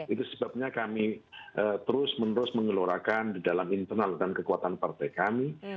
itu sebabnya kami terus menerus mengelorakan di dalam internal dan kekuatan partai kami